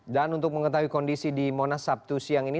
untuk mengetahui kondisi di monas sabtu siang ini